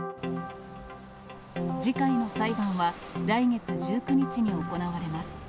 次回の裁判は、来月１９日に行われます。